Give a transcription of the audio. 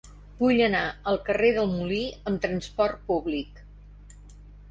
Vull anar al carrer del Molí amb trasport públic.